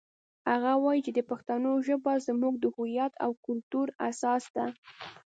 هغه وایي چې د پښتو ژبه زموږ د هویت او کلتور اساس ده